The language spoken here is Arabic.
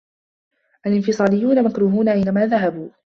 الإنفصاليون مكروهون أينما ذهبوا.